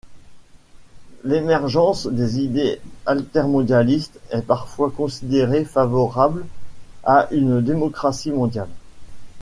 L'émergence des idées altermondialistes est parfois considérée favorable à une démocratie mondiale.